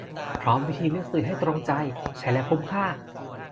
พร้อมวิธีเลือกซื้อให้ตรงใจ ใช้แล้วคุ้มค่า